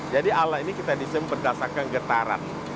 jadi alat ini kita desain berdasarkan getaran